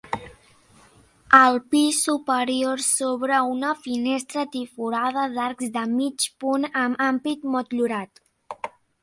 Al pis superior s'obre una finestra triforada d'arcs de mig punt amb ampit motllurat.